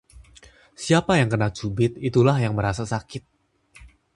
Siapa yang kena cubit, itulah yang merasa sakit